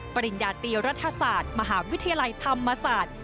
ปริญญาตีรัฐศาสตร์มหาวิทยาลัยธรรมศาสตร์